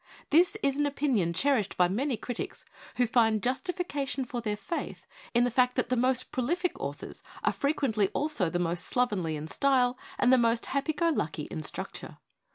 This is an opinion cherished by many critics, who find justification for their faith in the fact that the most prolific authors are fre quently also the most slovenly in style and the most happy go lucky in structure.